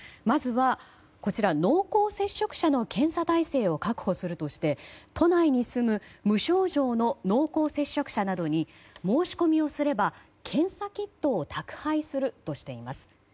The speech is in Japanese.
まずは濃厚接触者の検査体制を確保するとして都内に住む無症状の濃厚接触者などに申し込みをすれば検査キットを宅配するとしています。